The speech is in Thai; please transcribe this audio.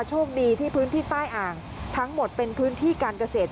โชคดีที่พื้นที่ใต้อ่างทั้งหมดเป็นพื้นที่การเกษตร